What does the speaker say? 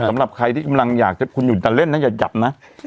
สำหรับใครที่กำลังอยากจะคุณอยู่แต่เล่นนะอย่าหยับนะ